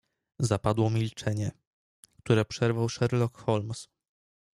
"Zapadło milczenie, które przerwał Sherlock Holmes."